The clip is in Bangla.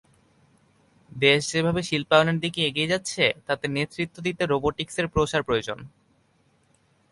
দেশ যেভাবে শিল্পায়নের দিকে এগিয়ে যাচ্ছে, তাতে নেতৃত্ব দিতে রোবটিকসের প্রসার প্রয়োজন।